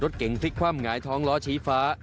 เก่งพลิกคว่ำหงายท้องล้อชี้ฟ้า